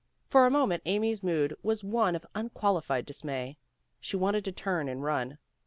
For a moment Amy's mood was one of un qualified dismay. She wanted to turn and run.